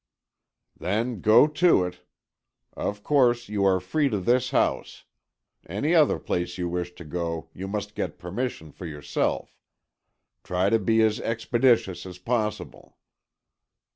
"Then go to it. Of course, you are free of this house. Any other place you wish to go, you must get permission for yourself. Try to be as expeditious as possible."